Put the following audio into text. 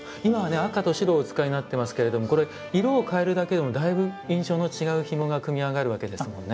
赤と白をお使いになってますけれどもこれ色を変えるだけでもだいぶ印象の違うひもが組み上がるわけですもんね。